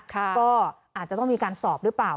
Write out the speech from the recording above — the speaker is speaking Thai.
ก็อาจจะต้องมีการสอบหรือเปล่า